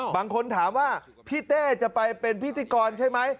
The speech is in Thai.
บางคนถามว่าพี่เต้จะไปเป็นพิธีกรใช่ไหม